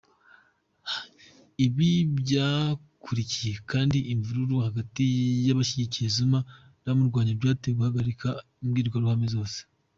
Ibi byakurikiye kandi imvurur hagati y'abashyigikiye Zuma n'abamurwanya, byateye guhagarika imbwirwaruhame zose.